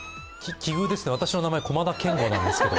奇遇ですね、私の名前、駒田健吾なんですけど。